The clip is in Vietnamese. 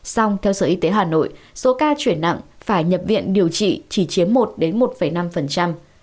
xong theo sở y tế hà nội số ca chuyển nặng phải nhập viện điều trị chỉ chiếm một đến một năm